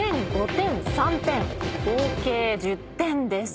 合計１０点です。